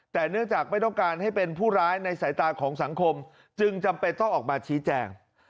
แต่เนื่องจากไม่ต้องการให้เป็นผู้ร้ายในสายตาของสังคมจึงจำเป็นต้องออกมาชี้แจง